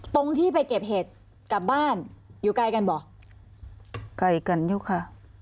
ตรงที่ไปเก็บเห็ดกลับบ้านอยู่ไกลกันบ่ใกล้กันอยู่ค่ะ